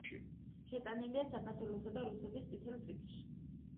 შეტანილია საქართველოსა და რუსეთის წითელი წიგნში.